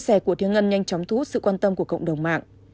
những lời nói của thiên ngân nhanh chóng thú sự quan tâm của cộng đồng mạng